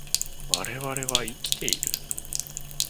我々は生きている